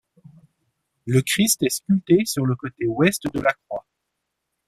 Le Christ est sculpté sur le côté ouest de la croix.